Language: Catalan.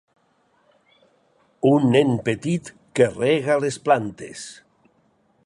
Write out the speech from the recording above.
Un nen petit que rega les plantes